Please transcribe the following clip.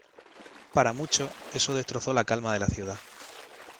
Para muchos, eso destrozó la calma de la ciudad.